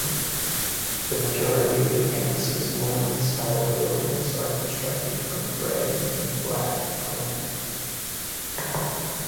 The majority of the campus's Norman-style buildings are constructed from gray and black granite.